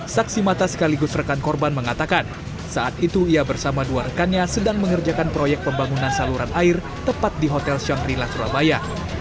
saksi mata sekaligus rekan korban mengatakan saat itu ia bersama dua rekannya sedang mengerjakan proyek pembangunan saluran air tepat di hotel shangrila surabaya